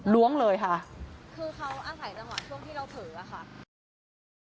ล้วงเลยค่ะคือเขาอาศัยจังหวะช่วงที่เราเผลอค่ะ